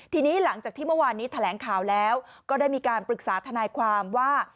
ทีนี้หลังจากที่เมื่อวานนี้แถลงข่าวแล้วก็ได้มีการปรึกษาทนายความว่า